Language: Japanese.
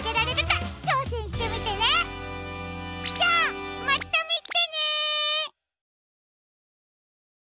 じゃあまたみてね！